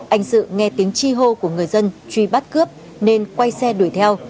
anh sự nghe tiếng chi hô của người dân truy bắt cướp nên quay xe đuổi theo